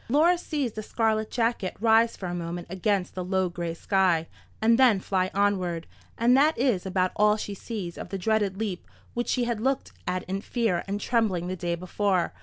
Laura sees the scarlet jacket rise for a moment against the low grey sky, and then fly onward, and that is about all she sees of the dreaded leap which she had looked at in fear and trembling the day before.